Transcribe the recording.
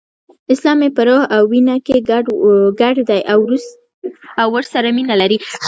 اسلام یې په روح او وینه کې ګډ دی او ورسره مینه لري.